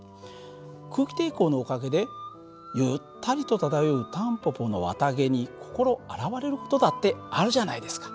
空気抵抗のおかげでゆったりと漂うタンポポの綿毛に心洗われる事だってあるじゃないですか。